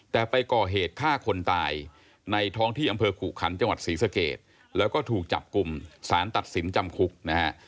แต่ไปก่อเหตุฆ่าคนตายในท้องที่อำเภอกุขันจังหวัดศรีสเกตแล้วก็ถูกจับกลุ่มสารตัดสินจำคุกนะฮะ